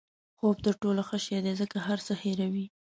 خوب تر ټولو ښه شی دی ځکه هر څه هیروي.